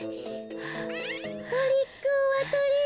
トリックオアトリート。